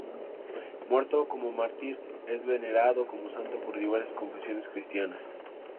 Muerto como mártir, es venerado como santo por diversas confesiones cristianas.